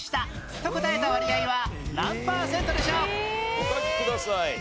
お書きください。